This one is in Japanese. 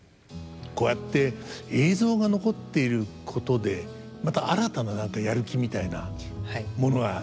こうやって映像が残っていることでまた新たな何かやる気みたいなものが出てきますよね。